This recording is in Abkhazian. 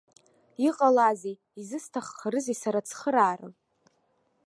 Иҟалазеи, изысҭаххарызеи сара ацхыраара?